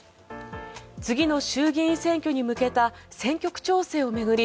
次の衆議院選挙に向けた選挙区調整を巡り